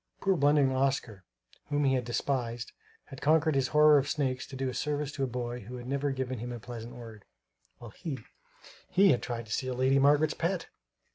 Poor blundering Oscar whom he had despised had conquered his horror of snakes to do a service to a boy who had never given him a pleasant word; while he he had tried to steal Lady Margaret's pet!